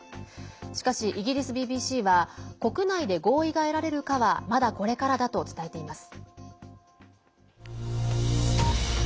しかし、イギリスＢＢＣは国内で合意が得られるかはまだこれからだと伝えています。